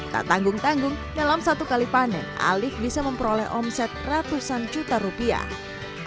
tak tanggung tanggung dalam satu kali panen alif bisa memperoleh omset ratusan juta rupiah